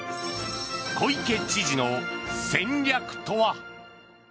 小池知事の戦略とは。